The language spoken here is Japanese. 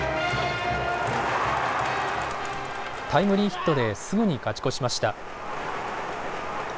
タイムリーヒットですぐに勝ち越しました。